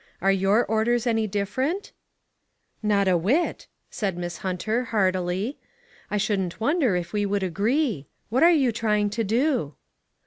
Are your orders any different ?"" Not a whit," said Miss Hunter heartily. "I shouldn't wonder if we would . agree. What are you trying to do?"